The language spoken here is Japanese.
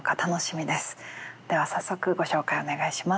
では早速ご紹介をお願いします。